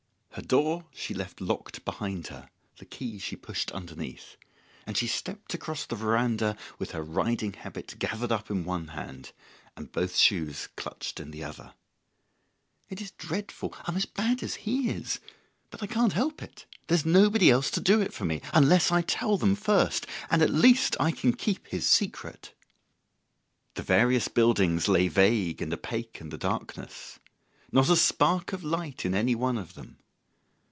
Her door she left locked behind her; the key she pushed underneath; and she stepped across the verandah with her riding habit gathered up in one hand, and both shoes clutched in the other. "It is dreadful! I am as bad as he is. But I can't help it. There's nobody else to do it for me unless I tell them first. And at least I can keep his secret!" The various buildings lay vague and opaque in the darkness: not a spark of light in any one of them.